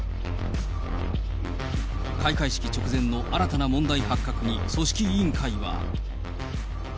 開会式直前の新たな問題発覚に組織委員会は。